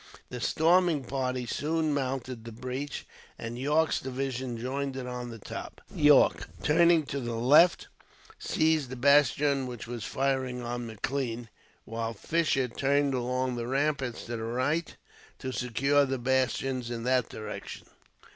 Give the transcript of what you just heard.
The storming party soon mounted the breach, and Yorke's division joined it on the top. Yorke, turning to the left, seized the bastion which was firing on Maclean; while Fisher turned along the ramparts to the right, to secure the bastions in that direction.